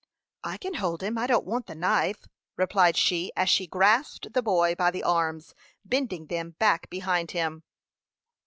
"I can hold him; I don't want the knife," replied she, as she grasped the boy by the arms, bending them back behind him.